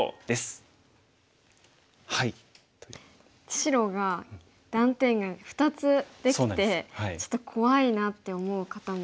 白が断点が２つできてちょっと怖いなって思う方も。